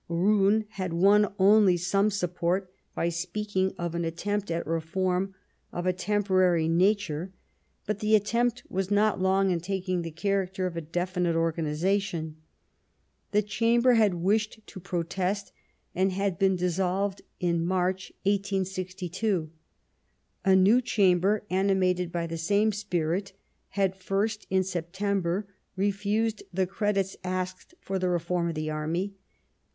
Roon had won only some support by speaking of an attempt at reform of a temporary nature ; but the attempt was not long in taking the character of a definite organization. The Chamber had wished to protest, and had been dissolved in March 1862. A new Chamber, animated by the same spirit, had first, in September, refused the credits asked for the reform of the Army.